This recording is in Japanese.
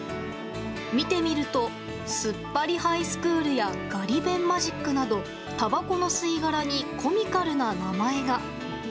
見てみると吸っぱりハイスクールやガリ勉マジックなどたばこの吸い殻にコミカルな名前が。